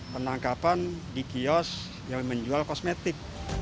penangkapan di kios yang menjual kosmetik